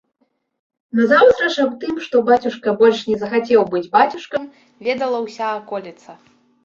Назаўтра ж аб тым, што бацюшка больш не захацеў быць бацюшкам, ведала ўся аколіца.